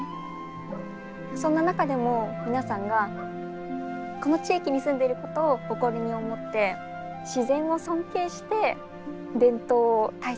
そんな中でも皆さんがこの地域に住んでいることを誇りに思って自然を尊敬して伝統を大切に守っている。